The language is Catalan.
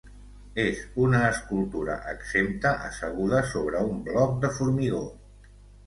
És una escultura exempta asseguda sobre un bloc de formigó.